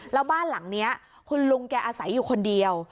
แล้วบ้านหลังนี้คุณลุงแกอาศัยอยู่คนเดียว